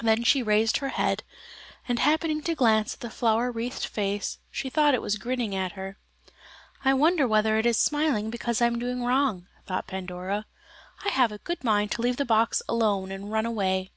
Then she raised her head, and happening to glance at the flower wreathed face, she thought it was grinning at her. "I wonder whether it is smiling because I am doing wrong," thought Pandora, "I have a good mind to leave the box alone and run away."